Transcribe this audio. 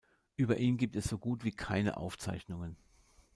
Über ihn gibt es so gut wie keine Aufzeichnungen.